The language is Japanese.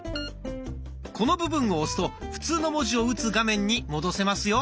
この部分を押すと普通の文字を打つ画面に戻せますよ。